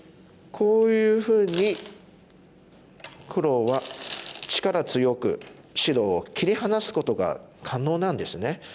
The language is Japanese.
こういうふうに黒は力強く白を切り離すことが可能なんですね。